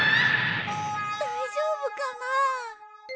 大丈夫かな？